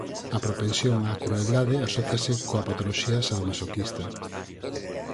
A propensión á crueldade asóciase coa patoloxía sadomasoquista.